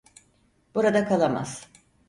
Burada kalamaz.